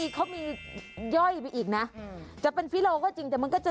เขามีย่อยไปอีกจะเป็นฟิโลก็จริง